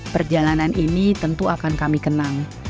perjalanan ini tentu akan kami kenang